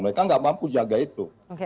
mereka nggak mampu jaga itu